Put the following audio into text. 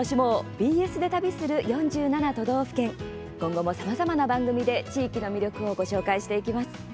ＢＳで旅する４７都道府県」今後も、さまざまな番組で地域の魅力をご紹介していきます。